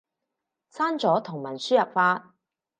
刪咗同文輸入法